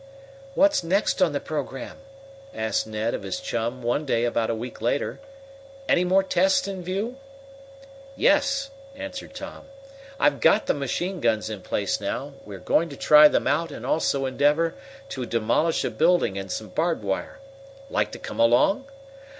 "What's next on the program?" asked Ned of his chum one day about a week later. "Any more tests in view?" "Yes," answered Tom. "I've got the machine guns in place now. We are going to try them out and also endeavor to demolish a building and some barbed wire. Like to come along?"